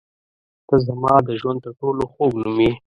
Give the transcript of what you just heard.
• ته زما د ژوند تر ټولو خوږ نوم یې.